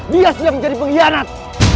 dia sedang menjadi pengkhianat